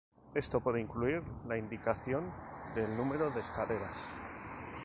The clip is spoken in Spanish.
Esto puede incluir la indicación del número de escaleras.